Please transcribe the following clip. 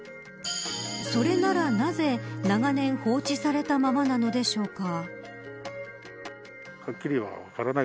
それなら、なぜ長年放置されたままなのでしょうか。